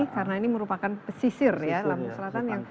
karena ini merupakan sisir ya lamu selatan